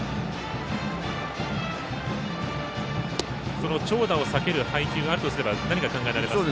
その長打を避ける配球があるとすれば何が考えられますか？